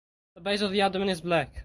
The base of the abdomen is black.